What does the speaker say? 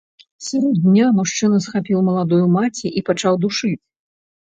Сярод дня мужчына схапіў маладую маці і пачаў душыць.